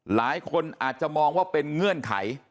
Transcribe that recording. หลายคนอาจจะมองว่าเป็นเงื่อนไข